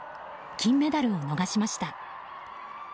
金メダルを逃しました。